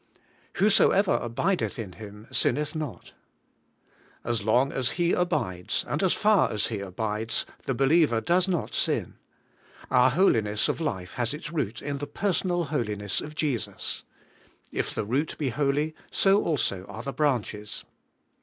Whosoever abideth m Him sinneth not. ' As long as he abides, and as far as he abides, the be liever does not sin. Our holiness of life has its root in the personal holiness of Jesus. *If the root be holy, so also are the branches.'